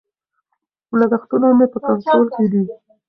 لګښتونه مې په کنټرول کې دي.